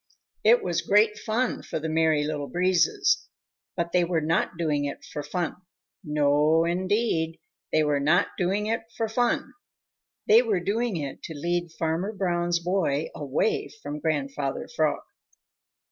It was great fun for the Merry Little Breezes. But they were not doing it for fun. No, indeed, they were not doing it for fun! They were doing it to lead Farmer Brown's boy away from Grandfather Frog.